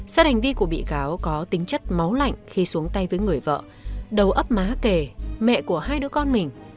xét hành vi của bị cáo có tính chất máu lạnh khi xuống tay với người vợ đầu ấp má kề mẹ của hai đứa con mình